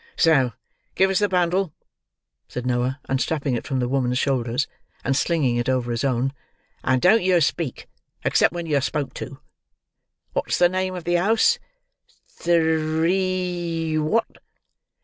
"So give us the bundle," said Noah, unstrapping it from the woman's shoulders, and slinging it over his own; "and don't yer speak, except when yer spoke to. What's the name of the house—t h r—three what?"